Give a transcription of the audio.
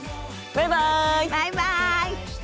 バイバイ！